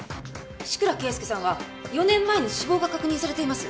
志倉啓介さんは４年前に死亡が確認されています。